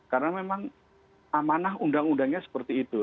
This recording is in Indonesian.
karena memang amanah undang undangnya seperti itu